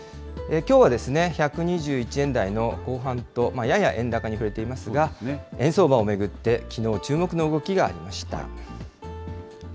きょうは、１２１円台の後半と、やや円高に振れていますが、円相場を巡って、きのう、注目の動きがありました。